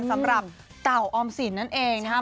สำหรับเก่าออมสินนั่นเองนะครับ